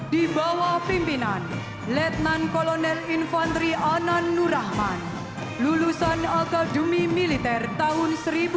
dibawa pimpinan letnan kolonel infanteri anand nur rahman lulusan akademi militer tahun seribu sembilan ratus sembilan puluh delapan